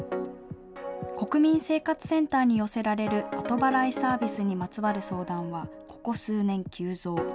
国民生活センターに寄せられる後払いサービスにまつわる相談は、ここ数年急増。